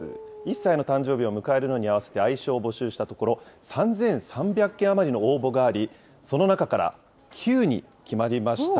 １歳の誕生日を迎えるのに合わせて愛称を募集したところ、３３００件余りの応募があり、その中から、キュウに決まりました。